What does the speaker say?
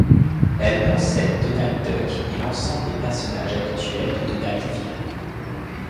Elle met en scène Donald Duck et l'ensemble des personnages habituels de Donaldville.